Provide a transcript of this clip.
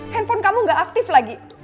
handphone kamu gak aktif lagi